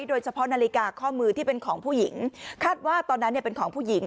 โดยเฉพาะนาฬิกาข้อมือที่เป็นของผู้หญิงคาดว่าตอนนั้นเนี่ยเป็นของผู้หญิง